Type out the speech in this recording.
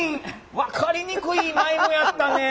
分かりにくいマイムやったね。